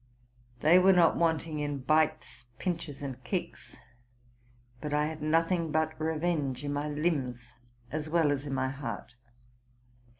They were not wanting in bites, pinches, and kicks ; but I had nothing but revenge in my limbs as well as in my heart.